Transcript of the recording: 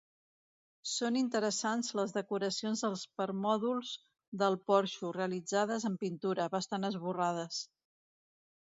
Són interessants les decoracions dels permòdols del porxo, realitzades amb pintura, bastant esborrades.